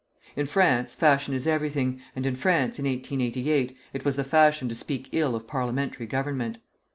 In France fashion is everything, and in France, in 1888, it was the fashion to speak ill of parliamentary government.